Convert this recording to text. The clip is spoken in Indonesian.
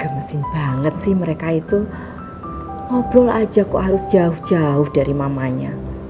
gak mesin banget sih mereka itu ngobrol aja kok harus jauh jauh dari mamanya